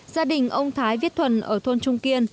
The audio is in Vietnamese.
gia đình ông thái viết thuần ở thôn trung kiên